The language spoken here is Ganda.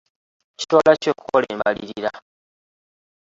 Kitwala ki okukola embalirira.